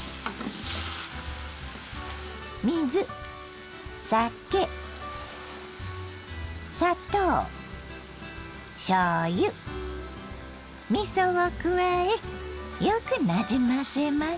水酒砂糖しょうゆみそを加えよくなじませます。